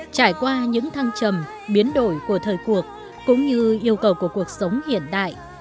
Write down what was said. trải qua những thăng trầm biến đổi của thời cuộc cũng như yêu cầu của cuộc sống hiện đại